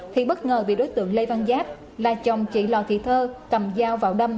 thì bất ngờ bị đối tượng lê văn giáp là chồng chị lò thị thơ cầm dao vào đâm